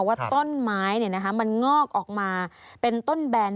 ว่าต้นไม้มันงอกออกมาเป็นต้นแบน